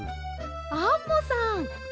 アンモさん！